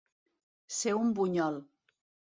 Ser un bunyol.